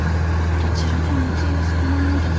どちらでも通用する名前じゃそうです。